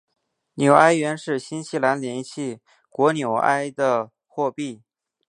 纽埃元是新西兰联系国纽埃的货币。